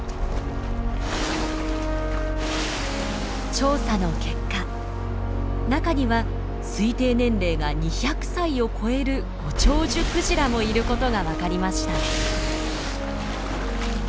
調査の結果中には推定年齢が２００歳を越えるご長寿クジラもいることが分かりました。